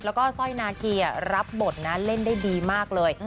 แล้วก็สร้อยนาคีรับบทนะเล่นได้ดีมากเลย